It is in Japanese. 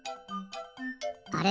あれ？